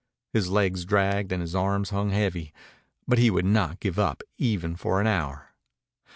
His legs dragged and his arms hung heavy. But he would not give up even for an hour.